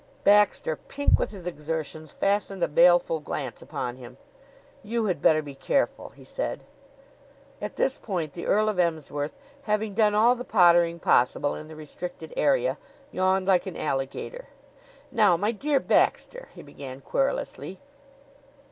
Baxter, pink with his exertions, fastened a baleful glance upon him. "You had better be careful," he said. At this point the Earl of Emsworth, having done all the pottering possible in the restricted area, yawned like an alligator. "Now, my dear Baxter " he began querulously.